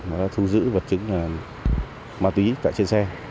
và đã thu giữ vật chứng ma túy tại trên xe